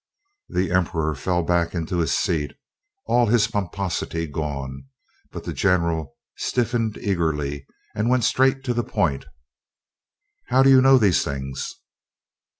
The Emperor fell back into his seat, all his pomposity gone, but the general stiffened eagerly and went straight to the point. "How do you know these things?"